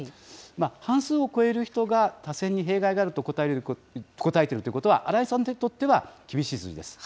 半数を超える人が、多選に弊害があると答えているということは、荒井さんにとっては厳しい数字です。